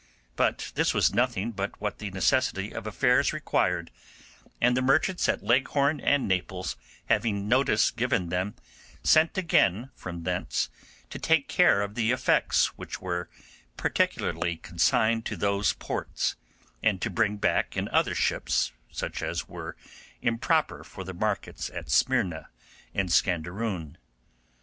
But this was nothing but what the necessity of affairs required, and the merchants at Leghorn and Naples having notice given them, sent again from thence to take care of the effects which were particularly consigned to those ports, and to bring back in other ships such as were improper for the markets at Smyrna and Scanderoon.